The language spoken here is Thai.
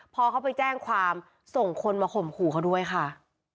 พอเขาไปแจ้งความส่งคนมาข่มขู่เขาด้วยค่ะ